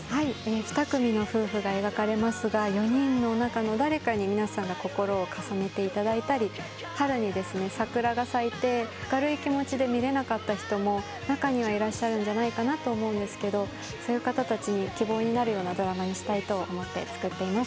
２組の夫婦が描かれますが４人の中の誰かに皆さんの心を重ねていただいたり春に桜が咲いて明るい気持ちで見れなかった人も中にはいらっしゃるんじゃないかと思うんですがそういう方たちに希望になるようなドラマにしたいと思って作っています。